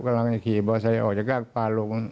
กำลังจะขี่มอไซค์ออกจากกากปลาลง